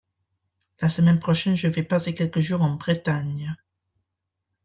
La semaine prochaine, je vais passer quelques jours en Bretagne.